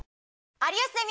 『有吉ゼミ』。